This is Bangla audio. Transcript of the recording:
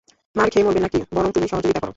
মার খেয়ে মরবে না-কি, বরং তুমি সহযোগিতা করো।